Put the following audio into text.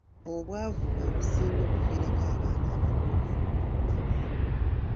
Obwavu bwe businga okuviirako abaana abato okufumbirwa.